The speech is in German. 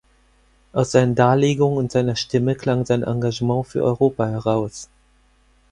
Aus seinen Darlegungen und seiner Stimme klang sein Engagement für Europa heraus.